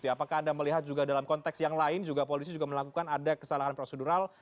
apakah anda melihat juga dalam konteks yang lain juga polisi juga melakukan ada kesalahan prosedural